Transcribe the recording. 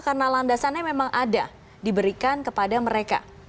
karena landasannya memang ada diberikan kepada mereka